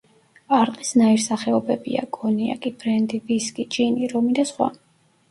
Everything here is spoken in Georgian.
არყის ნაირსახეობებია: კონიაკი, ბრენდი, ვისკი, ჯინი, რომი და სხვა.